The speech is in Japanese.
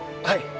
はい。